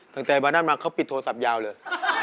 ตั้งแต่วันนั้นมาเขาปิดโทรศัพท์ยาวเลย